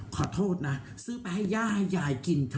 ขอโทษนะซื้อไปให้ย่าให้ยายกินเถ